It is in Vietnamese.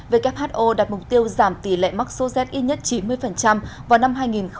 who đặt mục tiêu giảm tỷ lệ mắc số z y nhất chín mươi vào năm hai nghìn ba mươi